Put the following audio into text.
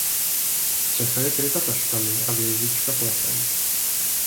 Střecha je kryta taškami a věžička plechem.